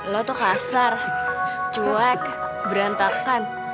lo tuh kasar cuek berantakan